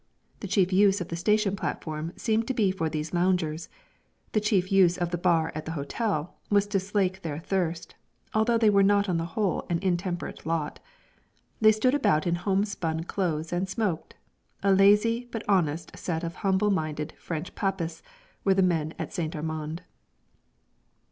The chief use of the station platform seemed to be for these loungers; the chief use of the bar at the hotel was to slake their thirst, although they were not on the whole an intemperate lot. They stood about in homespun clothes and smoked. A lazy, but honest set of humble minded French papists were the men at St. Armand.